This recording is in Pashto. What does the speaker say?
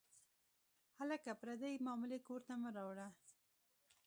هلکه، پردۍ معاملې کور ته مه راوړه.